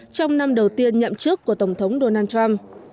trong năm đầu tiên nhậm chức của tổng thống donald trump